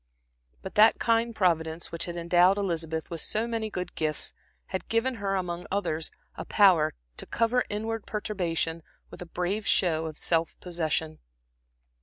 But that kind Providence which had endowed Elizabeth with so many good gifts had given her among others a power to cover inward perturbation with a brave show of self possession.